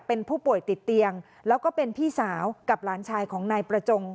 เป็นผู้ป่วยติดเตียงแล้วก็เป็นพี่สาวกับหลานชายของนายประจง